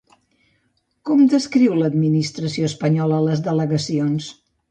Com descriu l'administració espanyola les delegacions?